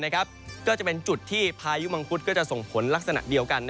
ก็จะเป็นจุดที่พายุมังคุดก็จะส่งผลลักษณะเดียวกัน